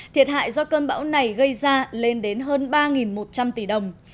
thiệt hại do cơn bão này gây ra lên đến hơn ba một trăm linh tỷ đồng